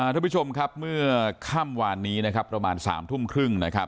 ทุกผู้ชมครับเมื่อค่ำวานนี้ประมาณ๓ถุ้มครึ่ง